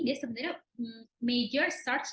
dia sebenarnya major search